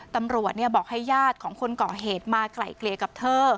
ตำรวจบอกให้ญาติของคนก่อเหตุมาไกลเกลี่ยกับเธอ